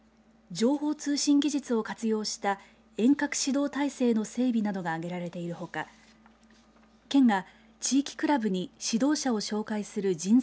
情報通信技術を活用した遠隔指導体制の整備などが挙げられているほか県が地域クラブに指導者を紹介する人材